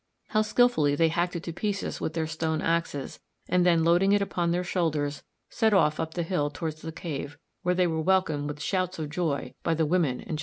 How skilfully they hacked it to pieces with their stone axes, and then loading it upon their shoulders set off up the hill towards the cave, where they were welcomed with shouts of joy by the women and children!